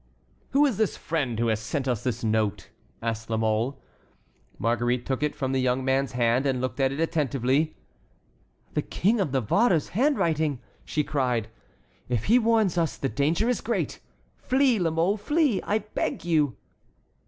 "Who is the friend who has sent us this note?" asked La Mole. Marguerite took it from the young man's hand and looked at it attentively. "The King of Navarre's handwriting!" she cried. "If he warns us, the danger is great. Flee, La Mole, flee, I beg you."